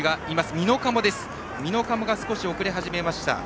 美濃加茂が少し遅れ始めました。